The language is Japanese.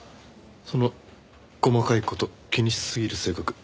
その細かい事を気にしすぎる性格